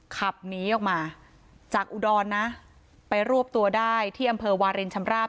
ขับหนีออกมาจากอุดรนะไปรวบตัวได้ที่อำเภอวารินชำราบ